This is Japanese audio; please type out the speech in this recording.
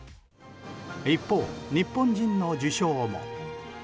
一方、日本人の受賞も。